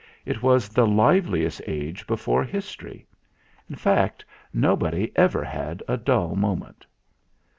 It was the liveliest age before history. In fact, nobody ever had a dull moment.